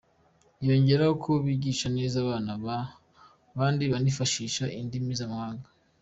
Yongeyeho ko bigisha neza abana kandi banifashishije indimi z’amahanga.